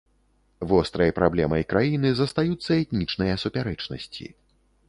Вострай праблемай краіны застаюцца этнічныя супярэчнасці.